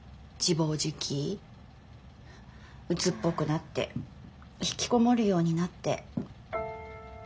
うつっぽくなってひきこもるようになって。